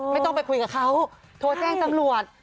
ไม่ต้องไปคุยกับเขาโทรแจ้งตำรวจ